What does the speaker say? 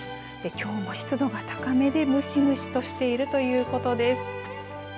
きょうも湿度が高めでむしむしとしているということです。